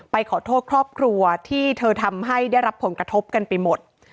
ขอโทษครอบครัวที่เธอทำให้ได้รับผลกระทบกันไปหมด